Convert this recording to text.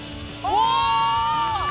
お！